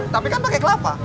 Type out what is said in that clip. tapi kan pakai kelapa